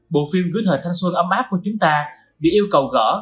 bộ phim gửi thời thanh xuân ấm áp của chúng ta bị yêu cầu gỡ